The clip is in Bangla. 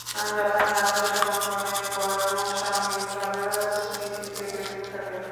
জাপানের আত্মসমর্পণের পর নু সাময়িকভাবে রাজনীতি থেকে দূরে থাকেন।